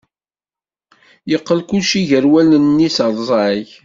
Yeqqel kulci gar wallen-is rẓag.